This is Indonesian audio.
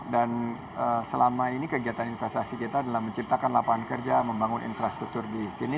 dan selama ini kegiatan investasi kita adalah menciptakan lapangan kerja membangun infrastruktur di sini